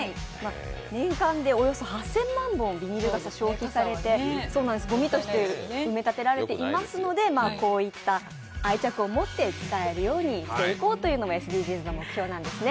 年間でおよそ８０００万本のビニール傘が消費されてごみとして埋め立てられていますのでこういった愛着を持って使えるようにしていこうというのもＳＤＧｓの目標なんですね。